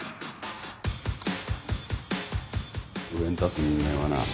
上に立つ人間はな